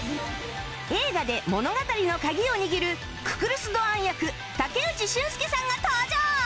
映画で物語の鍵を握るククルス・ドアン役武内駿輔さんが登場